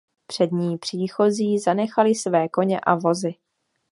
Před ní příchozí zanechali své koně a vozy.